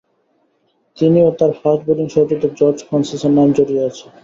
তিনি ও তার ফাস্ট বোলিং সহযোদ্ধা জর্জ ফ্রান্সিসের নাম জড়িয়ে আছে।